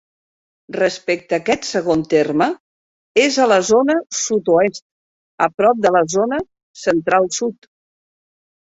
Respecte d'aquest segon terme, és a la zona sud-oest, a prop de la zona central-sud.